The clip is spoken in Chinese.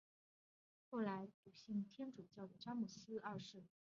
后来笃信天主教的詹姆斯二世因为光荣革命遭到推翻。